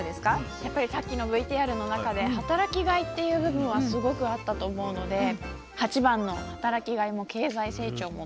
やっぱりさっきのＶＴＲの中で働きがいっていう部分はすごくあったと思うので８番の「働きがいも経済成長も」っていうところじゃないですか。